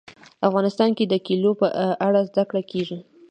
افغانستان کې د کلیو په اړه زده کړه کېږي.